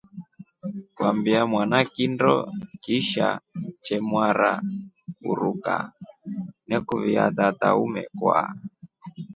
Kwambia mwana kindo kisha chemwara uruka nekuvia tata umekwa.